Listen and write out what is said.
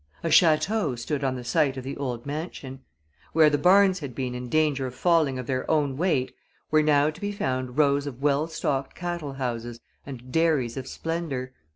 A château stood on the site of the old mansion. Where the barns had been in danger of falling of their own weight were now to be found rows of well stocked cattle houses and dairies of splendor.